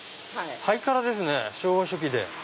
ハイカラですね昭和初期で。